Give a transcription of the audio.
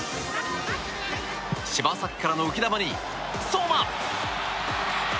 柴崎からの浮き球に相馬！